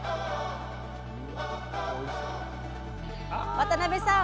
渡辺さん！